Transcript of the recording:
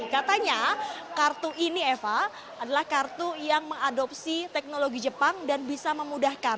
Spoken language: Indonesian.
katanya kartu ini eva adalah kartu yang mengadopsi teknologi jepang dan bisa memudahkan